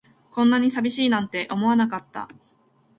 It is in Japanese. こんなに寂しいなんて思わなかった